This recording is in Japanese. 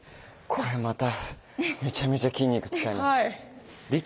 これまためちゃめちゃ筋肉使いますね。